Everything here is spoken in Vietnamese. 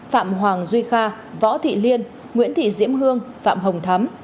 phạm hoàng duy kha võ thị liên nguyễn thị diễm hương phạm hồng thắm